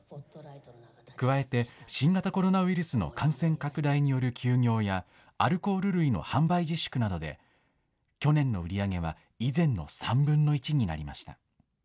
加えて新型コロナウイルスの感染拡大による休業やアルコール類の販売自粛などで、去年の売り上げは以前の３分の１になりました。